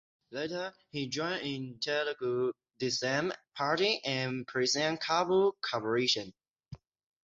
Later he joined in Telugu Desam Party and presided Kapu Corporation.